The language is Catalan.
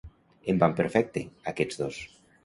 Em van perfecte, aquests dos.